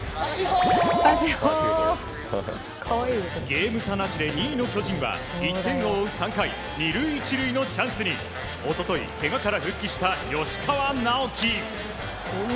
ゲーム差なしで２位の巨人は１点を追う３回２塁１塁のチャンスに一昨日、けがから復帰した吉川尚輝。